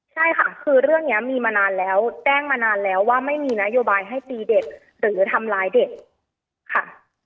ใช่ค่ะคือเรื่องนี้มีมานานแล้วแจ้งมานานแล้วว่าไม่มีนโยบายให้ตีเด็กหรือทำร้ายเด็กค่ะ